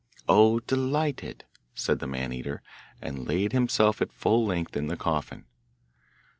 'Oh, delighted!' said the Man eater, and laid himself at full length in the coffin.